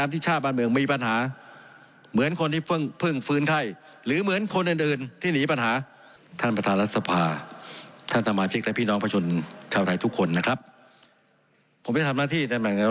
ผมจะทำหน้าที่ในแหล่งการโรงพิธี